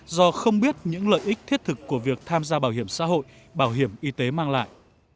do không biết những lợi ích thiết thực của việc tham gia bảo hiểm xã hội bảo hiểm y tế mang lại